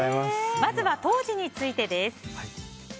まずは当時についてです。